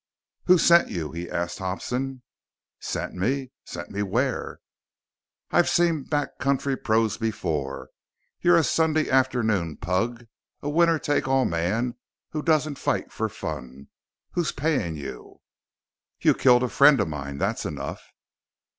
"Who sent you?" he asked Hobson. "Sent me? Sent me where?" "I've seen back country pros before. You're a Sunday afternoon pug, a winner take all man who doesn't fight for fun. Who's paying you?" "You killed a friend of mine. That's enough."